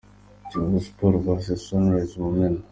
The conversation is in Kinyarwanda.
Kiyovu Sports vs Sunrise ku Mumena.